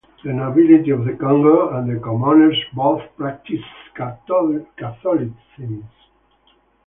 The nobility of the Kongo and the commoners both practised Catholicism.